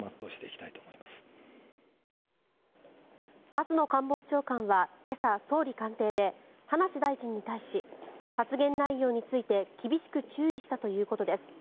松野官房長官は今朝、総理官邸で葉梨大臣に対し発言内容について厳しく注意したということです。